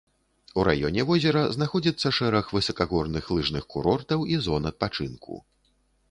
У раёне возера знаходзіцца шэраг высакагорных лыжных курортаў і зон адпачынку.